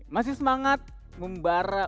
masih semangat membara